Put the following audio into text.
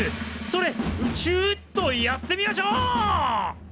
それうちゅっとやってみましょう！